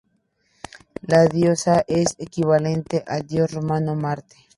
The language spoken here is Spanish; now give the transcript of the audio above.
La diosa es equivalente al dios romano Marte.